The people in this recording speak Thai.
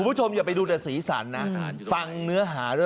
อุ้ยไปเปรียบเที่ยวมันยังไม่โกรธตายหรอ